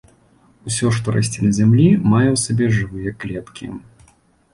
Усё, што расце на зямлі, мае ў сабе жывыя клеткі.